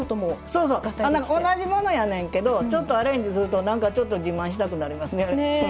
そうそう同じものやねんけどちょっとアレンジするとなんかちょっと自慢したくなりますね。